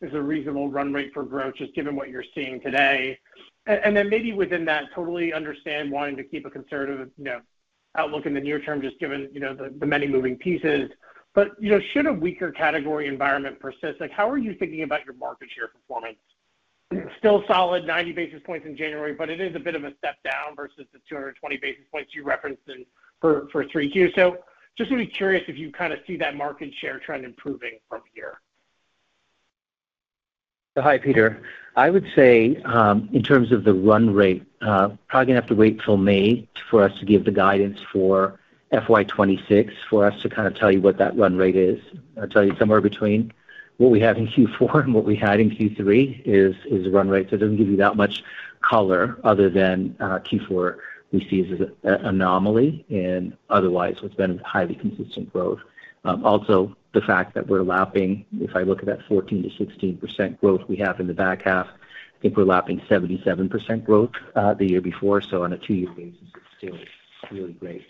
is a reasonable run rate for growth just given what you're seeing today. And then maybe within that totally understand wanting to keep a conservative outlook in the near term just given the many moving pieces. But should a weaker category environment persist, like how are you thinking about your market share performance? Still solid 90 basis points in January, but it is a bit of a step down versus the two twenty basis points you referenced for 3Q. So just going to be curious if you kind of see that market share trend improving from here? Hi, Peter. I would say in terms of the run rate, probably going to have to wait till May for us to give the guidance for FY '20 '20 '6 for us to kind of tell you what that run rate is. I'll tell you somewhere between what we have in Q4 and what we had in Q3 is run rate. So it doesn't give you that much color other than Q4 we see as an anomaly and otherwise, it's been highly consistent growth. Also, the fact that we're lapping if I look at that 14% to 16% growth we have in the back half, I think we're lapping 77 growth the year before. So on a two year basis, it's it's really great.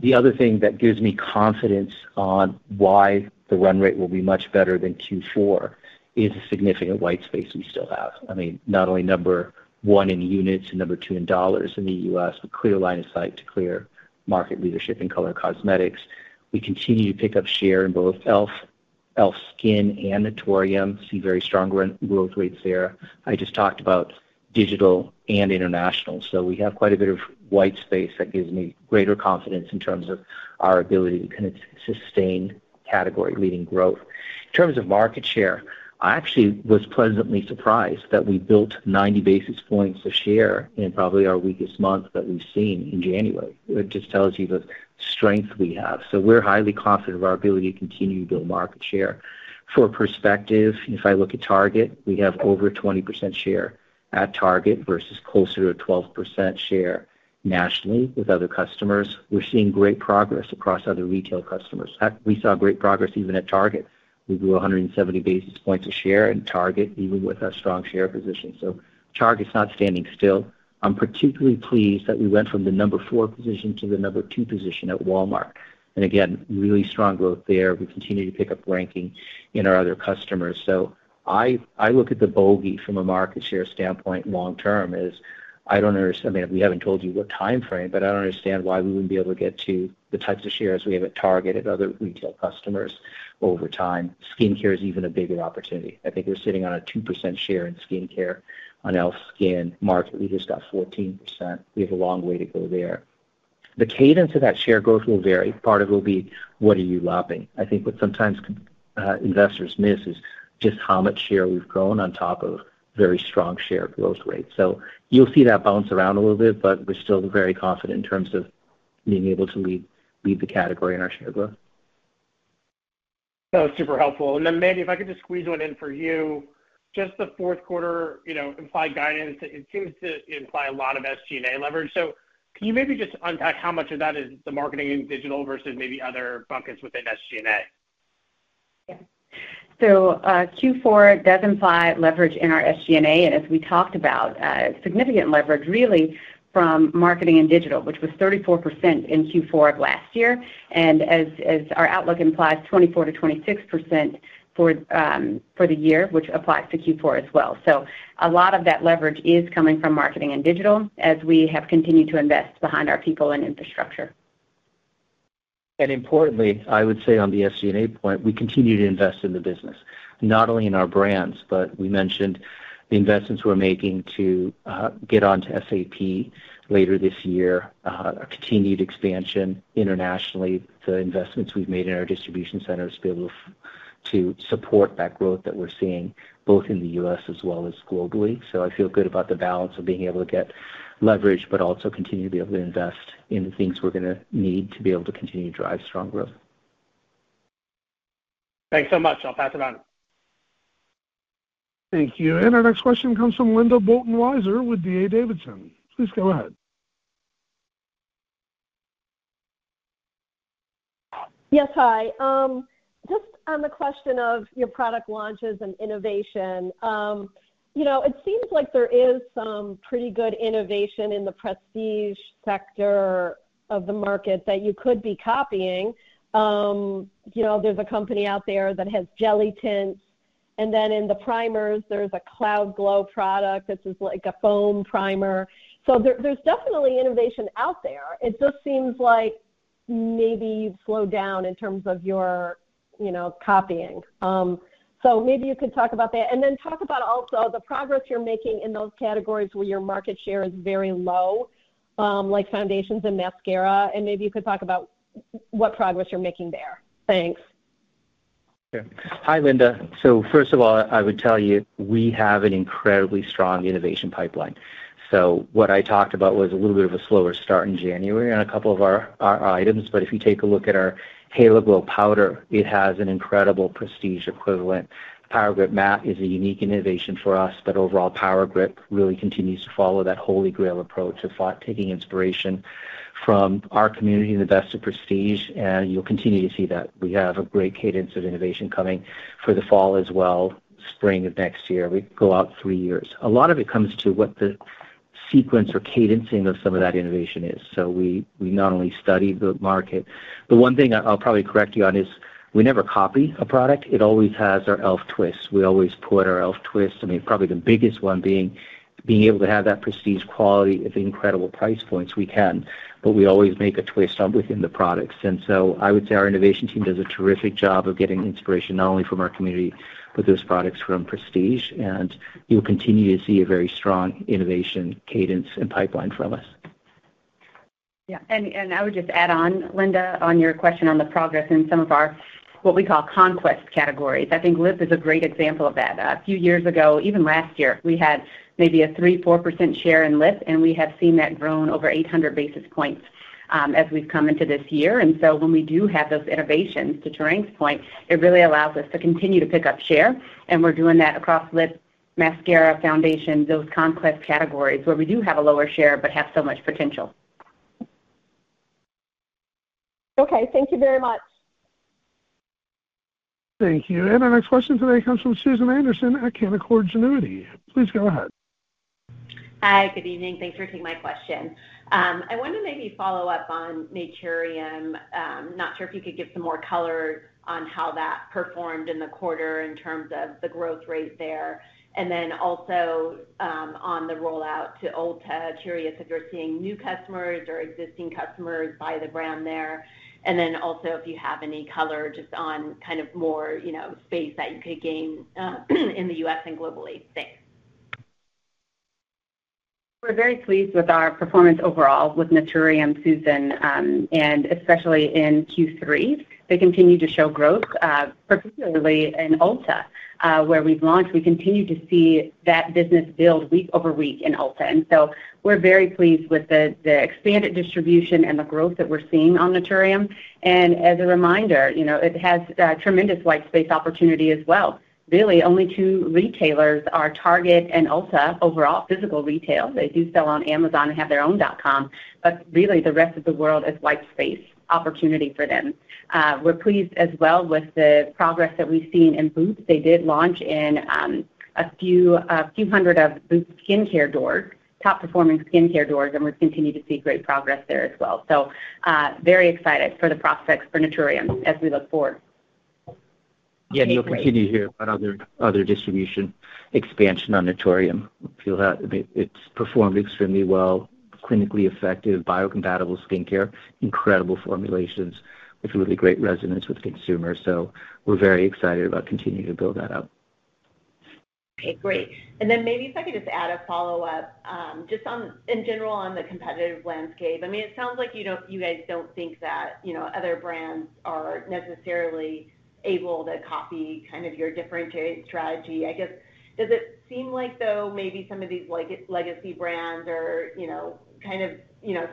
The other thing that gives me confidence on why the run rate will be much better than Q4 is a significant white space we still have. I mean, not only number one in units and number two in dollars in The U. S, but clear line of sight to clear market leadership in color cosmetics. We continue to pick up share in both e. L. F. SKIN and Naturium, see very strong growth rates there. I just talked about digital and international. So, we have quite a bit of white space that gives me greater confidence in terms of our ability to kind of sustain category leading growth. In terms of market share, I actually was pleasantly surprised that we built 90 basis points a share in probably our weakest month that we've seen in January. It just tells you the strength we have. So we're highly confident of our ability to continue to build market share. For perspective, if I look at Target, we have over 20% share at Target versus closer to 12% share nationally with other customers. We're seeing great progress across other retail customers. We saw great progress even at Target. We grew 170 basis points a share in Target even with our strong share position. So Target is not standing still. I'm particularly pleased that we went from the number four position to the number two position at Walmart. And again, really strong growth there. We continue to pick up ranking in our other customers. So, I look at the bogey from a market share standpoint long term as I don't understand, I mean, we haven't told you what timeframe, but I don't understand why we wouldn't be able to get to the types of shares we have at Target at other retail customers over time. Skincare is even a bigger opportunity. I think we're sitting on a 2% share in skincare on e. L. F. Skin market. We just got 14%. We have a long way to go there. The cadence of that share growth will vary. Part of it will be what are you lopping. I think what sometimes investors miss is just how much share we've grown on top of very strong share growth rate. So you'll see that bounce around a little bit, but we're still very confident in terms of being able to lead the category in our share growth. That was super helpful. And then maybe if I could just squeeze one in for you. Just the fourth quarter implied guidance, it seems to imply a lot of SG and A leverage. So can you maybe just unpack how much of that is the marketing in digital versus maybe other buckets within SG and A? Yes. So Q4 does imply leverage in our SG and A. And as we talked about, significant leverage really from marketing and digital, which was 34% in Q4 of last year. And as our outlook implies, 24% to 26% for the year, which applies to Q4 as well. So a lot of that leverage is coming from marketing and digital as we have continued to invest behind our people and infrastructure. And importantly, I would say on the SG and A point, we continue to invest in the business, not only in our brands, but we mentioned the investments we're making to get on to SAP later this year, our continued expansion internationally, the investments we've made in our distribution centers to be able to support that growth that we're seeing both in The U. S. As well as globally. So I feel good about the balance of being able to get leverage, but also continue to be able to invest in the things we're going to need to be able to continue to drive strong growth. Thanks so much. I'll pass it on. Thank you. And our next question comes from Linda Bolton Weiser with D. A. Davidson. Please go ahead. Yes. Hi. Just on the question of your product launches and innovation, it seems like there is some pretty good innovation in the prestige sector of the market that you could be copying. You know, there's a company out there that has jelly tints. And then in the primers, there's a cloud glow product. This is like a foam primer. So there's definitely innovation out there. It just seems like maybe you've slowed down in terms of your copying. So maybe you could talk about that and then talk about also the progress you're making in those categories where your market share is very low, like foundations and mascara. And maybe you could talk about what progress you're making there? Thanks. Hi, Linda. So first of all, I would tell you, we have an incredibly strong innovation pipeline. So what I talked about was a little bit of a slower start in January on a couple of our items. But if you take a look at our Halo Glow powder, it has an incredible prestige equivalent. Power Grip matte is a unique innovation for us, but overall Power Grip really continues to follow that holy grail approach of taking inspiration from our community in the best of prestige, and you'll continue to see that. We have a great cadence of innovation coming for the fall as well, spring of next year. We go out three years. A lot of it comes to what the sequence or cadencing of some of that innovation is. So we not only study the market. The one thing I'll probably correct you on is we never copy a product. It always has our elf twist. We always put our elf twist. I mean, probably the biggest one being being able to have that prestige quality at the incredible price points. We can, but we always make a twist on within the products. And so, I would say our innovation team does a terrific job of getting inspiration not only from our community, but those products from prestige. And you'll continue to see a very strong innovation cadence and pipeline from us. Yes. And I would just add on, Linda, on your question on the progress in some of our, what we call, conquest categories. I think Lyft is a great example of that. A few years ago, even last year, we had maybe a 3%, four % share in Lip and we have seen that grown over 800 basis points, as we've come into this year. And so when we do have those innovations to Turing's point, it really allows us to continue to pick up share and we're doing that across Lip, mascara foundation, those conquest categories where we do have a lower share but have so much potential. Okay. Thank you very much. Thank you. And our next question today comes from Susan Anderson at Canaccord Genuity. Please go ahead. Hi, good evening. Thanks for taking my question. I want to maybe follow-up on Naturium. I'm not sure if you could give some more color on how that performed in the quarter in terms of the growth rate there. And then also, on the rollout to Ulta, curious if you're seeing new customers or existing customers buy the brand there? And then also if you have any color just on kind of more space that you could gain in The U. S. And globally? Thanks. We're very pleased with our performance overall with Naturium, Susan, and especially in Q3. They continue to show growth, particularly in Ulta, where we've launched. We continue to see that business build week over week in Ulta. And so we're very pleased with the expanded distribution and the growth that we're seeing on Naturium. And as a reminder, you know, it has tremendous white space opportunity as well. Really, only two retailers are Target and Ulta overall physical retail. They do sell on Amazon and have their own .com, but really the rest of the world is white space opportunity for them. We're pleased as well with the progress that we've seen in Boots. They did launch in a few hundred of Boots skincare doors, top performing skincare doors, and we continue to see great progress there as well. So, very excited for the prospects for Naturium as we look forward. Yes, and you'll continue to hear about other distribution expansion on Naturium. We feel that it's performed extremely well, clinically effective, biocompatible skincare, incredible formulations with really great resonance with consumers. So we're very excited about continuing to build that up. Okay, great. And then maybe if I could just add a follow-up, just on in general on the competitive landscape. I mean, it sounds like you guys don't think that other brands are necessarily able to copy kind of your differentiated strategy. I guess, does it seem like though maybe some of these legacy brands are kind of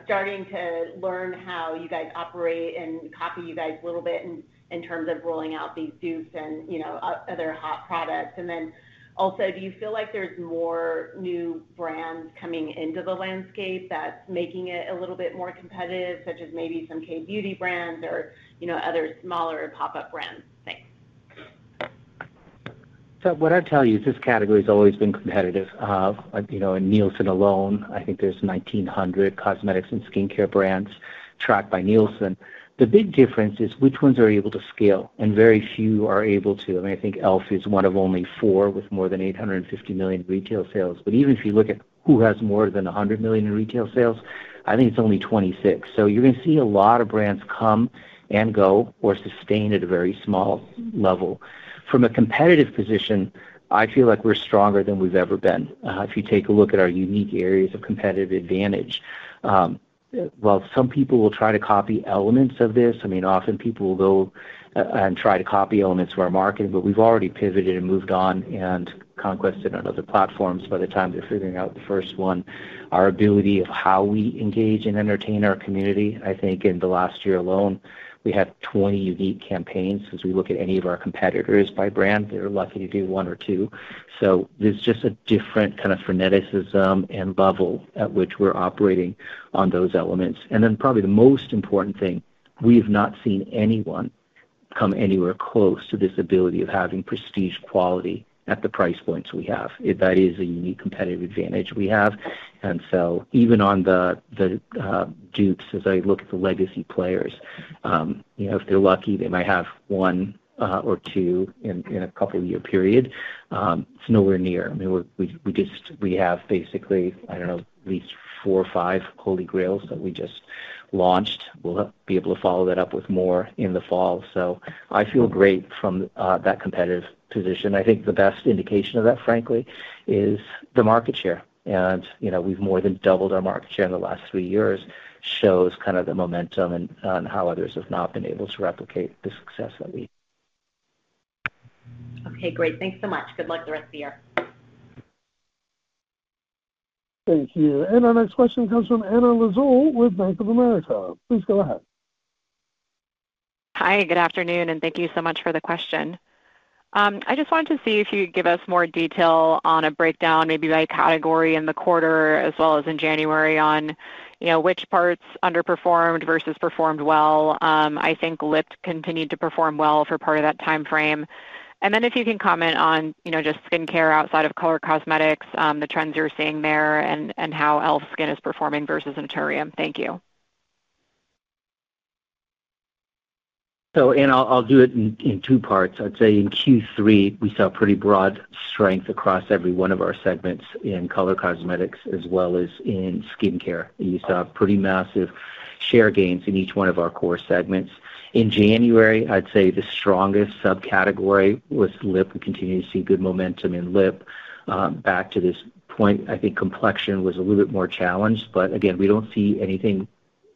starting to learn how you guys operate and copy you guys a little bit in terms of rolling out these dupes and other hot products? And then also, do you feel like there's more new brands coming into the landscape that's making it a little bit more competitive, such as maybe some K beauty brands or other smaller pop up brands? Thanks. So, what I'd tell you is this category has always been competitive. In Nielsen alone, I think there's 1,900 cosmetics and skincare brands tracked by Nielsen. The big difference is which ones are able to scale and very few are able to. I mean, I think e. L. F. Is one of only four with more than $850,000,000 retail sales. But even if you look at who has more than $100,000,000 in retail sales, I think it's only $26,000,000 So you're going to see a lot of brands come and go or sustain at a very small level. From a competitive position, I feel like we're stronger than we've ever been. If you take a look at our unique areas of competitive advantage, While some people will try to copy elements of this, I mean, often people will go and try to copy elements of our market, but we've already pivoted and moved on and conquested on other platforms by the time they're figuring out the first one. Our ability of how we engage and entertain our community, I think in the last year alone, we had 20 unique campaigns. As we look at any of our competitors by brand, they're lucky to do one or two. So there's just a different kind of freneticism and bubble at which we're operating on those elements. And then probably the most important thing, we have not seen anyone come anywhere close to this ability of having prestige quality at the price points we have. That is a unique competitive advantage we have. And so even on the Dukes, as I look at the legacy players, if they're lucky, they might have one or two in a couple of year period. It's nowhere near. We have basically, I don't know, at least four or five holy grails that we just launched. We'll be able to follow that up with more in the fall. So I feel great from that competitive position. I think the best indication of that, frankly, is the market share. And we've more than doubled our market share in the last three years shows kind of the momentum and how others have not been able to replicate the success that we see. Okay, great. Thanks so much. Good luck the rest of the year. Thank you. And our next question comes from Anna Lazzol with Bank of America. Please go ahead. Hi, good afternoon and thank you so much for the question. I just wanted to see if you could give us more detail on a breakdown maybe by category in the quarter as well as in January on which parts underperformed versus performed well. I think Lips continued to perform well for part of that timeframe. Then if you can comment on just skincare outside of color cosmetics, the trends you're seeing there and how else skin is performing versus anatorium? Thank you. So Anne, I'll do it in two parts. I'd say in Q3, we saw pretty broad strength across every one of our segments in color cosmetics as well as in skincare. And you saw pretty massive share gains in each one of our core segments. In January, I'd say the strongest subcategory was lip. We continue to see good momentum in lip. Back to this point, I think complexion was a little bit more challenged. But again, we don't see anything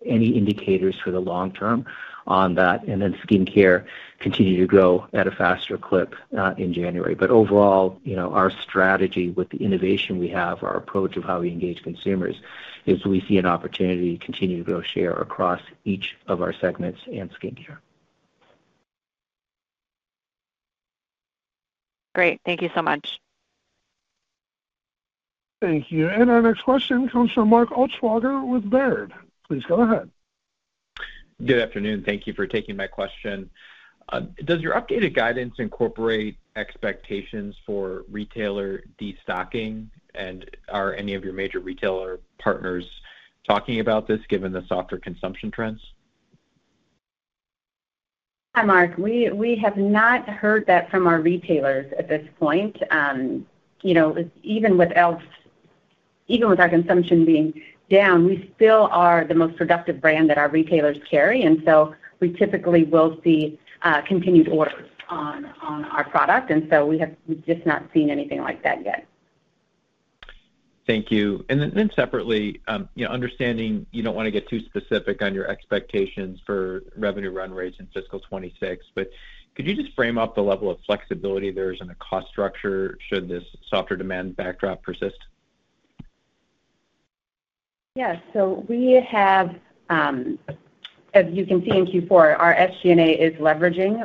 any indicators for the long term on that and then skincare continue to grow at a faster clip in January. But overall, our strategy with the innovation we have, our approach of how we engage consumers is we see an opportunity to continue to grow share across each of our segments and skincare. Great. Thank you so much. Thank you. And our next question comes from Mark Altschwager with Baird. Please go ahead. Good afternoon. Thank you for taking my question. Does your updated guidance incorporate expectations for retailer destocking? And are any of your major retailer partners talking about this given the softer consumption trends? Hi, Mark. We have not heard that from our retailers at this point. Even with our consumption being down, we still are the most productive brand that our retailers carry. And so we typically will see continued orders on our product. And so, we have just not seen anything like that yet. Thank you. And then separately, understanding you don't want to get too specific on your expectations for revenue run rates in fiscal 'twenty six, but could you just frame up the level of flexibility there is in the cost structure should this softer demand backdrop persist? Yes. So, we have, as you can see in Q4, our SG and A is leveraging.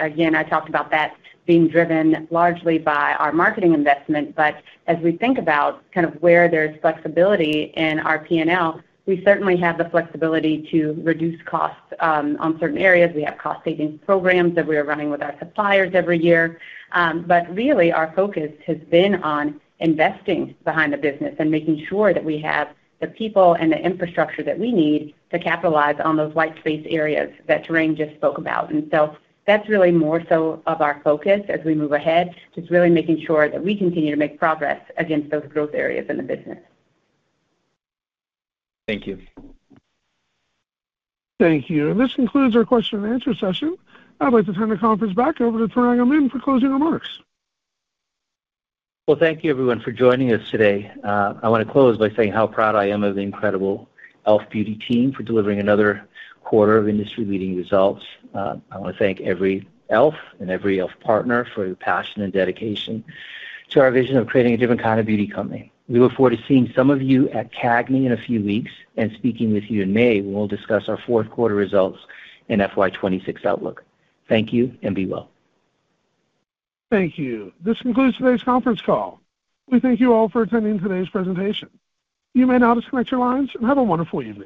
Again, I talked about that being driven largely by our marketing investment. But as we think about kind of where there is flexibility in our P and L, we certainly have the flexibility to reduce costs on certain areas. We have cost savings programs that we are running with our suppliers every year. But really, our focus has been on investing behind the business and making sure that we have the people and the infrastructure that we need to capitalize on those white space areas that Doreen just spoke about. And so that's really more so of our focus as we move ahead, just really making sure that we continue to make progress against those growth areas in the business. Thank you. Thank you. And this concludes our question and answer session. I'd like to turn the conference back over to Tarangah Noon for closing remarks. Well, thank you everyone for joining us today. I want to close by saying how proud I am of the incredible e. L. F. Beauty team for delivering another quarter of industry leading results. I want to thank every e. L. F. And every e. L. F. Partner for your passion and dedication to our vision of creating a different kind of beauty company. We look forward to seeing some of you at CAGNY in a few weeks and speaking with you in May when we'll discuss our fourth quarter results and FY twenty twenty six outlook. Thank you and be well. Thank you. This concludes today's conference call. We thank you all for attending today's presentation. You may now disconnect your lines and have a wonderful evening.